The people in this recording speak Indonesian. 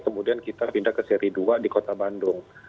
kemudian kita pindah ke seri dua di kota bandung